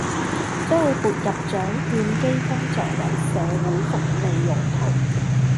將會撥入獎卷基金作為社會福利用途